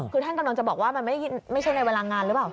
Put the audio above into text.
คือท่านกำลังจะบอกว่ามันไม่ใช่ในเวลางานหรือเปล่า